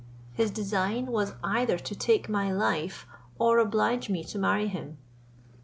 His design was either to take my life or oblige me to marry him.